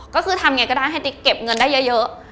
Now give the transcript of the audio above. ก็คือทำไงก็ได้ให้ติ๊กเก็บเงินได้เยอะ